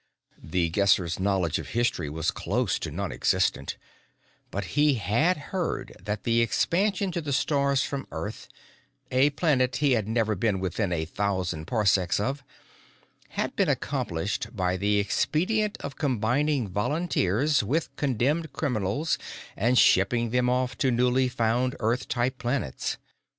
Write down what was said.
The Guesser's knowledge of history was close to nonexistent, but he had heard that the expansion to the stars from Earth a planet he had never been within a thousand parsecs of had been accomplished by the expedient of combining volunteers with condemned criminals and shipping them off to newly found Earth type planets.